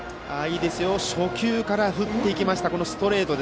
初球から振って行きましたストレート。